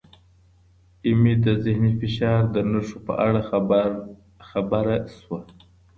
ایمي د ذهني فشار د نښو په اړه خبر شوه.